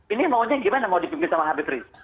ini maunya gimana mau dipimpin sama abri